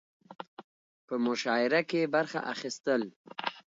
په مشاعره کې برخه اخستل